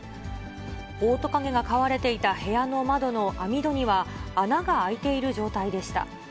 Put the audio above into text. オオトカゲが飼われていた部屋の窓の網戸には、穴が開いている状態でした。